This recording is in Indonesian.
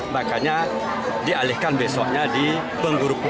makanya dialihkan besoknya di penghuru